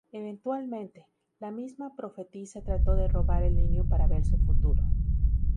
Eventualmente, la misma profetisa trató de robar el niño para ver su futuro.